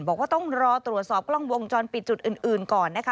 บอกว่าต้องรอตรวจสอบกล้องวงจรปิดจุดอื่นก่อนนะคะ